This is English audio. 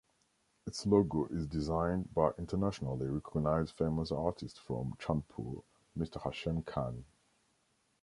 Its logo is designed by internationally recognized famous artist from Chandpur, Mr. Hashem Khan.